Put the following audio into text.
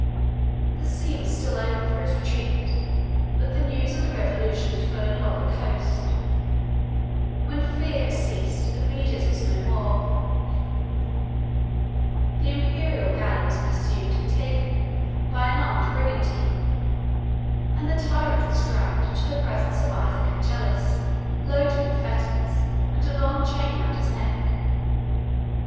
The sea was still open for his retreat; but the news of the revolution had flown along the coast; when fear had ceased, obedience was no more: the Imperial galley was pursued and taken by an armed brigantine; and the tyrant was dragged to the presence of Isaac Angelus, loaded with fetters, and a long chain round his neck.